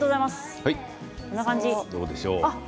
どうでしょう。